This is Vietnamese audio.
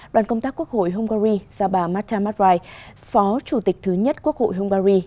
đoàn công tác quốc hội hungary gia bà marta matvay phó chủ tịch thứ nhất quốc hội hungary